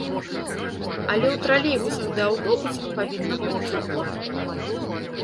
Але ў тралейбусах ды аўтобусах павінна быць цёпла.